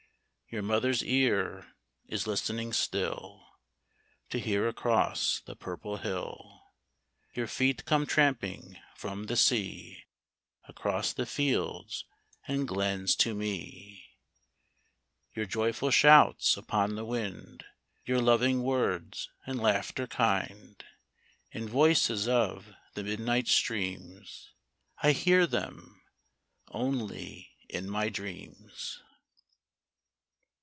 Your mother's ear is listening still To hear across the purple hill Your feet come tramping from the sea Across the fields and glens to me. 68 THE FORSAKEN MOTHER Your joyful shouts upon the wind, Your loving words and laughter kind, In voices of the midnight streams, I hear them :— only in my dreams